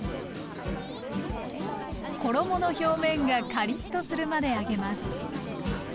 衣の表面がカリッとするまで揚げます。